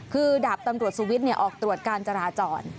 คือดาบตำรวจสวิทธิ์เนี่ยออกตรวจการจราจร